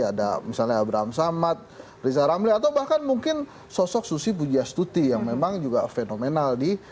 ada misalnya abraham samad riza ramli atau bahkan mungkin sosok susi pujiastuti yang memang juga fenomenal di